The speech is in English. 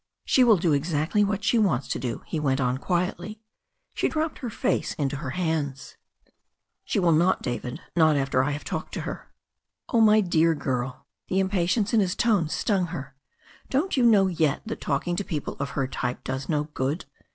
"She will do exactly what she wants fa do>^ he ^rent oo quietly. She dropped her iace VsWo h^t hands. ,THE STORY OF A NEW ZEALAND RIVER 325 "She will not, David Not after I have talked to her." "Oh, my dear girl" — the impatience in his tone stung her —"don't you know yet that talking to people of her type does no good.